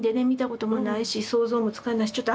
見たこともないし想像もつかないし。